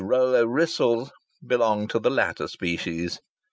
Rollo Wrissell belonged to the latter species.